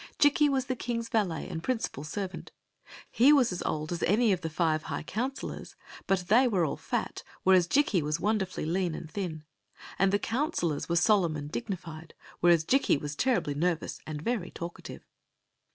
* Jikki was the king's valet and principal servant. He was as old as any of the fiwn higli counselors; but they were all fat, whereas JiVk; was wonderfully lean and thin ; and the counselors weic solemn and dignified, whereas Jikki was terribly nervous and very talkative.